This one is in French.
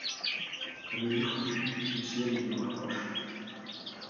A mesure qu'il fuit, du ciel il nous rapproche